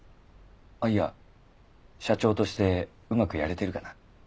いや社長としてうまくやれてるかな？